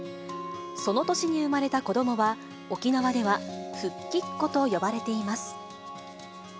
その年に生まれた子どもは、沖縄では復帰っ子と呼ばれています。